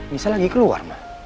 nisa lagi keluar ma